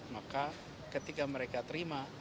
maka ketika mereka terima